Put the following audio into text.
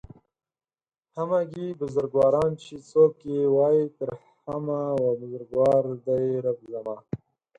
همگي بزرگواران چې څوک يې وايي تر همه و بزرگوار دئ رب زما